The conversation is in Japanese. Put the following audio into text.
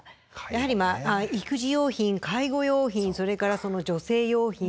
やはり育児用品介護用品それから女性用品。